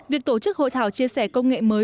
việc tổ chức hội thảo chia sẻ công nghệ mới